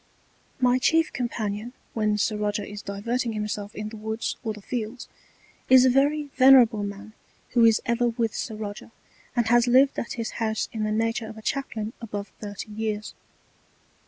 My chief Companion, when Sir Roger is diverting himself in the Woods or the Fields, is a very venerable man who is ever with Sir Roger, and has lived at his House in the Nature of a Chaplain above thirty Years.